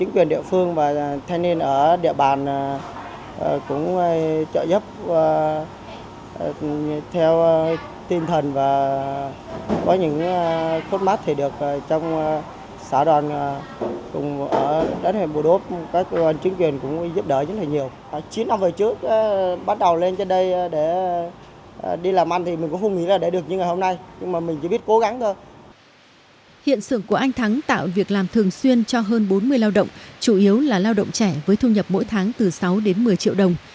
trên loại là mình là một doanh nghiệp trẻ thì cũng được chính quyền địa phương và thay nên ở địa bàn cũng trợ giúp theo tinh thần và có những khuất mắt thì được